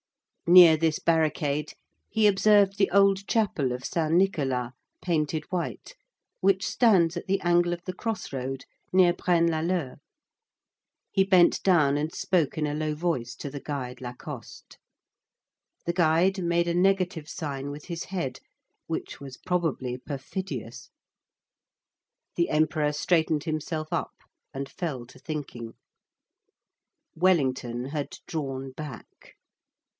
Near this barricade he observed the old chapel of Saint Nicholas, painted white, which stands at the angle of the crossroad near Braine l'Alleud; he bent down and spoke in a low voice to the guide Lacoste. The guide made a negative sign with his head, which was probably perfidious. The Emperor straightened himself up and fell to thinking. Wellington had drawn back.